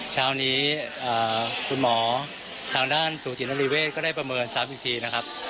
เช้านี้คุณหมอทางด้านสูจินริเวศก็ได้ประเมินซ้ำอีกทีนะครับ